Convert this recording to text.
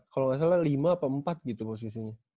kalau gak salah lima apa empat gitu posisinya